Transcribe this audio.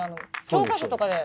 教科書とかで。